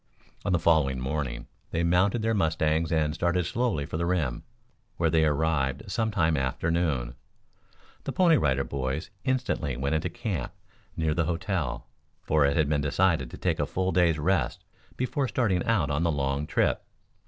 On the following morning they mounted their mustangs and started slowly for the rim, where they arrived some time after noon. The Pony Rider Boys instantly went into camp near the hotel, for it had been decided to take a full day's rest before starting out on the long trip.